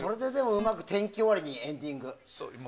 うまく天気終わりにエンディング。